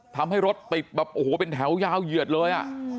ทำให้รถติดแบบโอ้โหเป็นแถวยาวเหยียดเลย